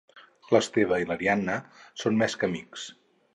L'Esteve i l'Ariadna són més que amics.